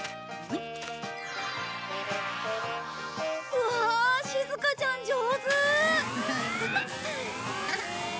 うわあしずかちゃん上手！